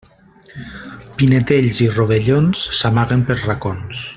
Pinetells i rovellons s'amaguen pels racons.